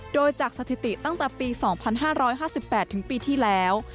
โดยจากสถิติตั้งแต่ปี๒๕๕๘ถึงปีที่แล้ว